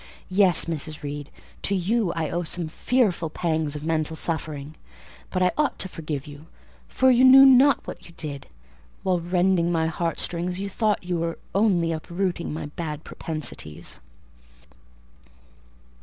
Yes, Mrs. Reed, to you I owe some fearful pangs of mental suffering, but I ought to forgive you, for you knew not what you did: while rending my heart strings, you thought you were only uprooting my bad propensities.